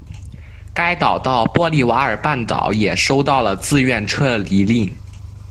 该岛到波利瓦尔半岛也收到了自愿撤离令。